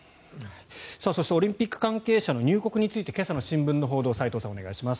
そしてオリンピック関係者の入国について今朝の新聞の報道斎藤さん、お願いします。